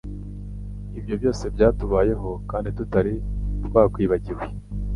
Ibyo byose byatubayeho kandi tutari twakwibagiwe